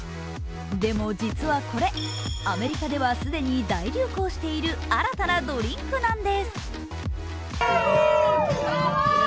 でも、実はこれ、アメリカでは既に大流行している新たなドリンクなんです。